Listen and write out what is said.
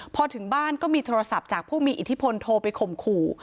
พอถึงบ้านก็มีโทรศัพท์จากผู้มีอิทธิพลโทรไปข่มขู่